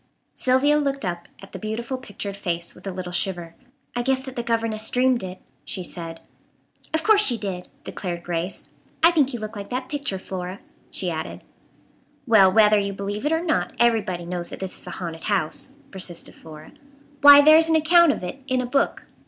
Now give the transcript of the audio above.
Sylvia looked up at the beautiful pictured face with a little shiver. "I guess that the governess dreamed it," she said. "Of course she did," declared Grace. "I think you look like that picture, Flora," she added. "Well, whether you believe it or not, everybody knows that this is a haunted house," persisted Flora. "Why, there is an account of it in a book."